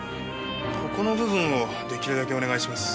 ここの部分を出来るだけお願いします。